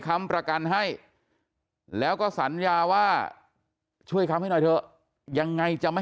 ค้ำประกันให้แล้วก็สัญญาว่าช่วยค้ำให้หน่อยเถอะยังไงจะไม่